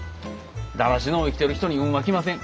だらしのう生きてる人に運は来ません。